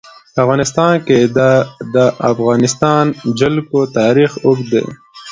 په افغانستان کې د د افغانستان جلکو تاریخ اوږد دی.